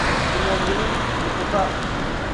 Bɛ nɛmdimi bɛ ku va.